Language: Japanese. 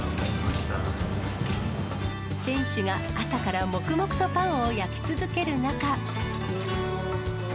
店主が朝から黙々とパンを焼き続ける中。